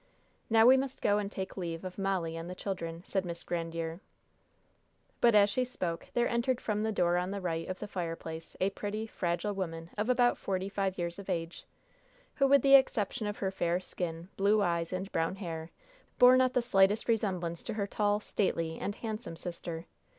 "Now we must go and take leave of Molly and the children," said Miss Grandiere. But as she spoke, there entered from the door on the right of the fireplace a pretty, fragile woman of about forty five years of age, who, with the exception of her fair skin, blue eyes and brown hair, bore not the slightest resemblance to her tall, stately and handsome sister.